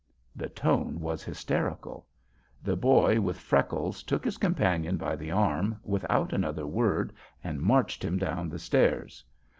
The tone was hysterical. The boy with freckles took his companion by the arm without another word and marched him down the stairs.